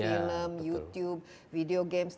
sedang beberapaprot dua ribu dua puluh dua